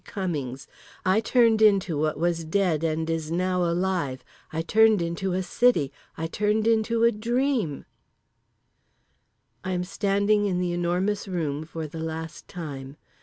Cummings, I turned into what was dead and is now alive, I turned into a city, I turned into a dream— I am standing in The Enormous Room for the last time.